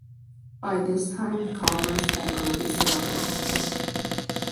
By this time, Chalmers had already surrounded the fort.